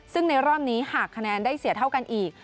ซึ่งในรอบนี้หากคะแนนได้เสียเท่ากันอีก